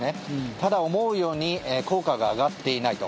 ただ、思うように効果が上がっていないと。